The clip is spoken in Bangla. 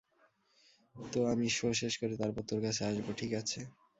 তো আমি শো শেষ করে তারপর তোর কাছে আসবো, ঠিক আছে?